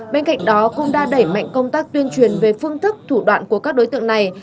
bên cạnh đó cũng đã đẩy mạnh công tác tuyên truyền về phương thức thủ đoạn của các đối tượng này